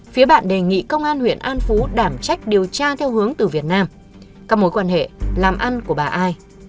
phía bạn đề nghị công an huyện an phú đảm trách điều tra theo hướng từ việt nam các mối quan hệ làm ăn của bà ai